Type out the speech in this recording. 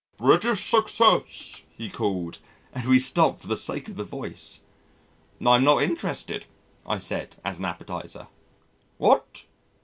"British Success," he called, and we stopped for the sake of the voice. "I'm not interested," I said as an appetiser. "What!